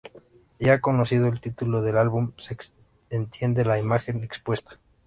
Ya conocido el título del álbum se entiende la imagen expuesta.